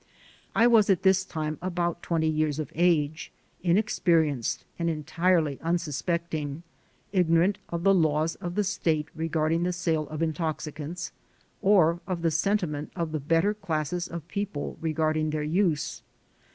I was at this time about twenty years of age, inexperienced and entirely unsuspect ing, ignorant of the laws of the state regarding the sale of intoxicants, or of the sentiment of the better classes of people regarding their use.